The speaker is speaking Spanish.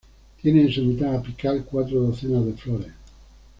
Tiene en su mitad apical cuatro docenas de flores.